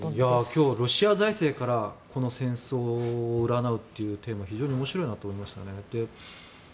今日はロシア財政からこの戦争を占うというテーマは非常に面白いなと思いましたね。